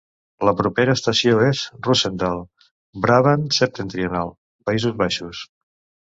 La propera estació és Roosendaal, Brabant Septentrional, Països Baixos.